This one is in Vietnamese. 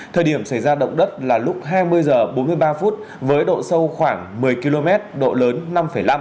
thời điểm xảy ra động đất là lúc hai mươi h bốn mươi ba phút với độ sâu khoảng một mươi km độ lớn năm năm m